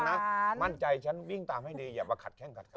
ถ้าเกิดมั่นใจฉันนะมั่นใจฉันวิ่งตามให้หนีอย่ามาขัดแข้งขัด